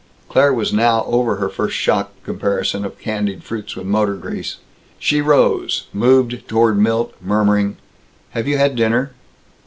Claire was now over her first shocked comparison of candied fruits with motor grease. She rose, moved toward Milt, murmuring, "Have you had dinner?"